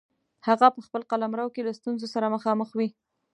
هغه په خپل قلمرو کې له ستونزو سره مخامخ وي.